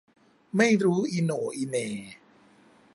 ไม่รู้อีโหน่อีเหน่